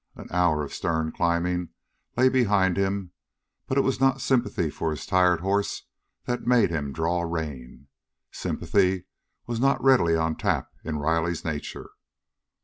An hour of stern climbing lay behind him, but it was not sympathy for his tired horse that made him draw rein. Sympathy was not readily on tap in Riley's nature.